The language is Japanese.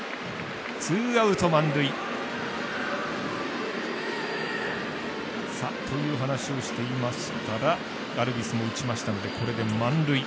ツーアウト、満塁。という話をしていましたらガルビスも打ちましたのでこれで満塁。